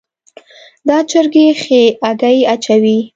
دا چرګي ښي هګۍ اچوي